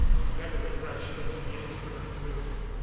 Together we rushed into the instrument room.